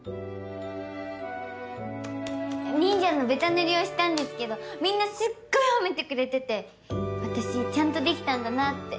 忍者のべた塗りをしたんですけどみんなすっごい褒めてくれてて私ちゃんとできたんだなって。